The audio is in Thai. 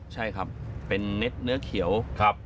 ใช่ครับเป็นเน็ตเนื้อเขียว